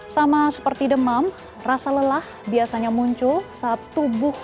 sama seperti demam rasa lelah biasanya muncul saat tubuh